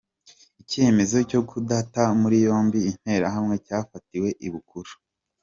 Icyemezo cyo kudata muri yombi interahamwe cyafatiwe i Bukuru.